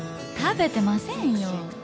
食べてませんよ